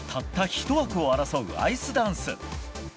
１枠を争うアイスダンス。